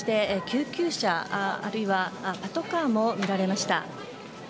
救急車、あるいはパトカーも見られました。